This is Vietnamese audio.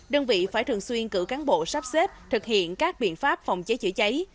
đơn vị phải thường xuyên cử cán bộ sắp xếp thực hiện các biện pháp phòng cháy chữa cháy